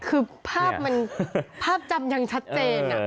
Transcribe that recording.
คือภาพจำยังชัดเจน